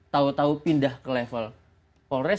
tahu tahu pindah ke level polres